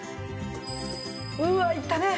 うわいったね！